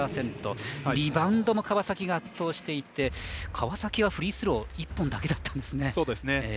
リバウンドの川崎が圧倒していて川崎はフリースロー１本だけだったんですね。